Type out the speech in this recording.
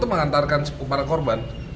menghantarkan para korban